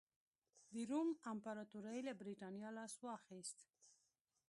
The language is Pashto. د روم امپراتورۍ له برېټانیا لاس واخیست